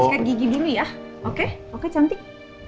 sehat gigi dulu ya oke oke cantik